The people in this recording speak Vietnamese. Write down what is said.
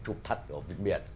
chụp thật ở việt miền